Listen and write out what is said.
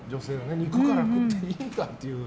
肉から食っていいんだという。